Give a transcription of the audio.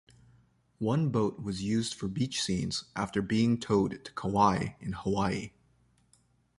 One boat was used for beach scenes after being towed to Kauai in Hawaii.